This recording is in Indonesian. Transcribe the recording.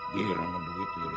gila sama duit aja